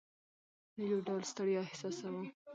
نو یو ډول ستړیا احساسوو.